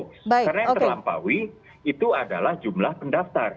karena yang terlampaui itu adalah jumlah pendaftar